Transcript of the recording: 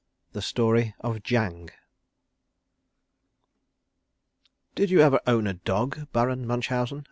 V THE STORY OF JANG "Did you ever own a dog, Baron Munchausen?"